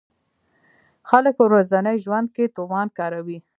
خلک په ورځني ژوند کې تومان کاروي.